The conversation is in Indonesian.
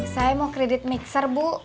saya mau kredit mixer bu